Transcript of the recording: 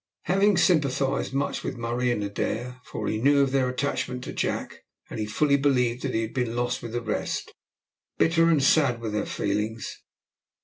Hemming sympathised much with Murray and Adair, for he knew of their attachment to Jack, and he fully believed that he had been lost with the rest. Bitter and sad were their feelings.